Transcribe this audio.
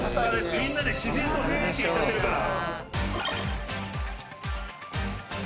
みんな自然と「へ」って言っちゃってるから。